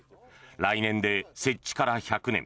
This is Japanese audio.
来年で設置から１００年。